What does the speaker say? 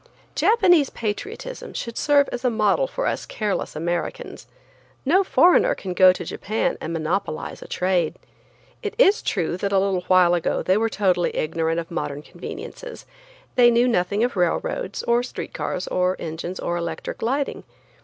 Japanese patriotism should serve as a model for us careless Americans. No foreigner can go to Japan and monopolize a trade. It is true that a little while ago they were totally ignorant of modern conveniences. They knew nothing of railroads, or street cars, or engines, or electric lighting.